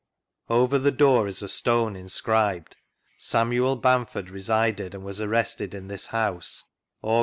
Over the door is a stone inscribed: " Samuel Bamford resided and was arrested in this house, Ai%.